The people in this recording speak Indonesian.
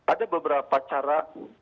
ada beberapa cara